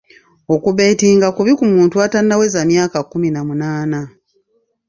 Okubetinga kubi ku muntu atannaweza myaka kkumi na munaana.